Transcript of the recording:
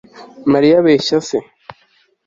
Mariya abeshya se